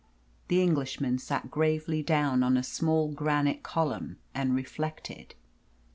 The Englishman sat gravely down on a small granite column and reflected.